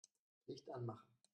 Licht anmachen.